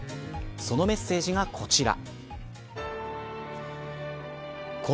そのメッセージがこちら。